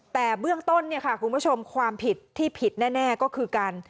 แต่เบื้องต้นเนี่ยค่ะคุณผู้ชมความผิดที่ผิดแน่ก็คือการ